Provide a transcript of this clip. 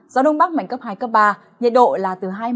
gió đông bắc mạnh cấp hai ba nhiệt độ là từ hai mươi hai mươi tám độ